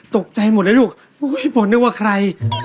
ตกใจหมดแล้วลูกพี่ฝนนึกว่าใคร